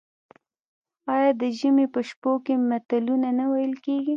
آیا د ژمي په شپو کې متلونه نه ویل کیږي؟